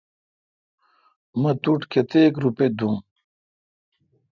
مہ تو ٹھ کتیک روپے دوم۔